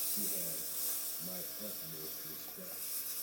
She has my utmost respect.